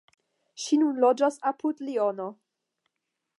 Ŝi nun loĝas apud Liono.